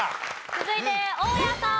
続いて大家さん。